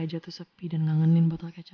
gue jatuh sepi dan nganginin botol kecap